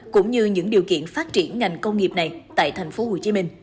cũng như những điều kiện phát triển ngành công nghiệp này tại tp hcm